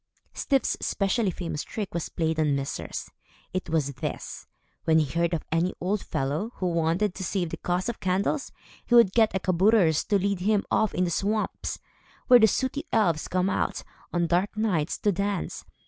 Styf's especially famous trick was played on misers. It was this. When he heard of any old fellow, who wanted to save the cost of candles, he would get a kabouter to lead him off in the swamps, where the sooty elves come out, on dark nights, to dance.